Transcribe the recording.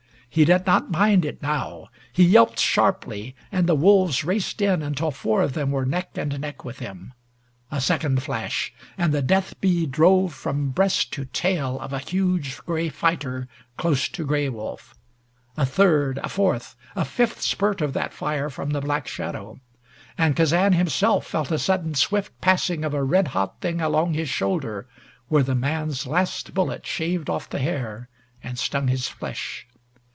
He did not mind it now. He yelped sharply, and the wolves raced in until four of them were neck and neck with him. A second flash and the death bee drove from breast to tail of a huge gray fighter close to Gray Wolf. A third a fourth a fifth spurt of that fire from the black shadow, and Kazan himself felt a sudden swift passing of a red hot thing along his shoulder, where the man's last bullet shaved off the hair and stung his flesh.